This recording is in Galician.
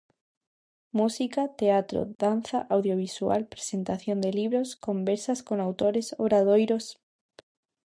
Música, teatro, danza, audiovisual, presentación de libros, conversas con autores, obradoiros.